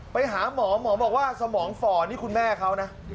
ไปหาหมอหมอบอกว่าสมองฝ่อนี่คุณแม่เขานะ